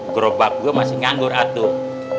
gerobak gue masih nganggur atuh